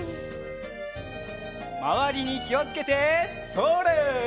まわりにきをつけてそれ！